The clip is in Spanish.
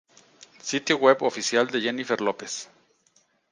Sitio web oficial de Jennifer Lopez